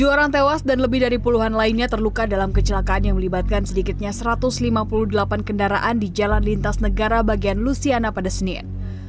tujuh orang tewas dan lebih dari puluhan lainnya terluka dalam kecelakaan yang melibatkan sedikitnya satu ratus lima puluh delapan kendaraan di jalan lintas negara bagian lusiana pada senin